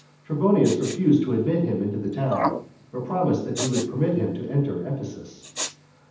Trebonius refused to admit him into the town, but promised that he would permit him to enter Ephesus.